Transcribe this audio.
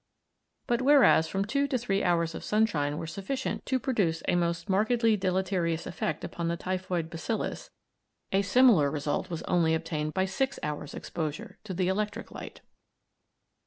But whereas from two to three hours of sunshine were sufficient to produce a most markedly deleterious effect upon the typhoid bacillus, a similar result was only obtained by six hours' exposure to the electric light.